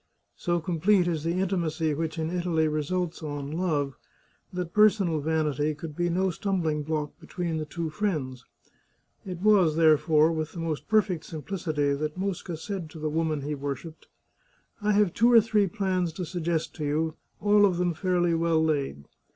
So complete is the intimacy which in Italy results on love, that personal vanity could be no stumbling block be tween the two friends. It was, therefore, with the most per fect simplicity that Mosca said to the woman he worshipped :" I have two or three plans to suggest to you, all of them fairly well laid.